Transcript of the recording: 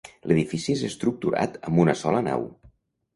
L'edifici és estructurat amb una sola nau.